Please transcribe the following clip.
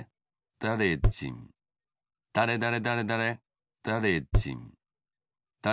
だれだれだれだれ